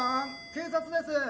警察です！